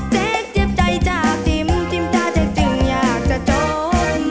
แจ้คเจ็บใจจากจิ้มจิ้มจ้างจัดจึงอยากจะจบ